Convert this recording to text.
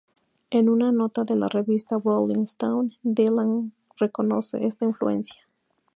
En una nota de la revista "Rolling Stone", Dylan reconoce esa influencia.